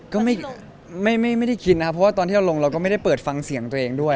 ก็ไม่ได้คิดนะครับเพราะว่าตอนที่เราลงเราก็ไม่ได้เปิดฟังเสียงตัวเองด้วย